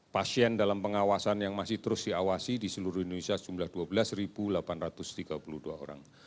pasien dalam pengawasan yang masih terus diawasi di seluruh indonesia jumlah dua belas delapan ratus tiga puluh dua orang